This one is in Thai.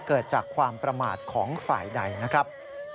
เกิดจากความประมาทของฝ่ายใดนะครับ